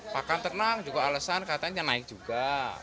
pakan ternak juga alasan katanya naik juga